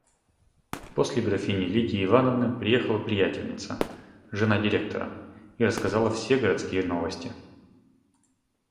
После графини Лидии Ивановны приехала приятельница, жена директора, и рассказала все городские новости.